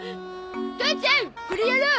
父ちゃんこれやろう！